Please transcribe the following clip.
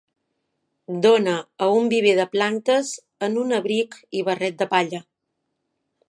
Dona a un viver de plantes en un abric i barret de palla.